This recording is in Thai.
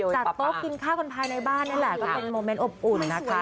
โต๊ะกินข้าวกันภายในบ้านนี่แหละก็เป็นโมเมนต์อบอุ่นนะคะ